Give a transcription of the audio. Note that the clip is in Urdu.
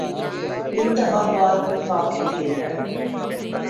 انتخابات میں کافی دیر ہے۔